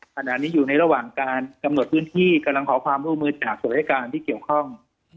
ขณะนี้อยู่ในระหว่างการกำหนดพื้นที่กำลังขอความร่วมมือจากส่วนรายการที่เกี่ยวข้อง